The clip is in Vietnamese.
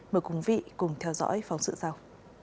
mời quý vị cùng theo dõi phóng sự sau